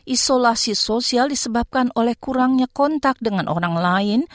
isolasi sosial disebabkan oleh kurangnya kontak dengan orang lain